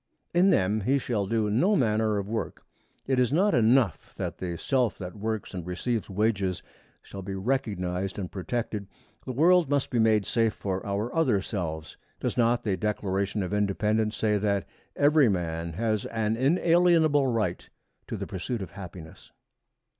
In them he shall do no manner of work. It is not enough that the self that works and receives wages shall be recognized and protected; the world must be made safe for our other selves. Does not the Declaration of Independence say that every man has an inalienable right to the pursuit of happiness?